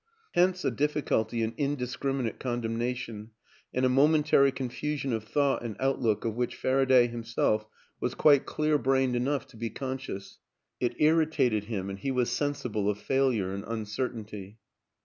Hence a dif ficulty in indiscriminate condemnation and a mo mentary confusion of thought and outlook of which Faraday himself was quite clear brained WILLIAM AN ENGLISHMAN 213 enough to be conscious; It irritated him and he was sensible of failure and uncertainty.